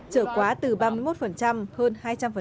trở quá từ ba mươi một hơn hai trăm linh